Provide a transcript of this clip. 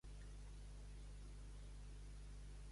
Gener clar i gelada, gener fred i sec.